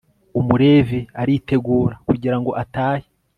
umulevi aritegura kugira ngo atahe